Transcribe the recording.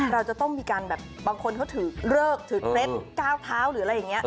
เราจะต้องมีการแบบบางคนเขาถือเลิกถือเคล็ดก้าวเท้าหรืออะไรอย่างนี้